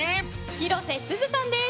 広瀬すずさんです。